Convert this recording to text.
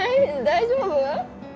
大丈夫？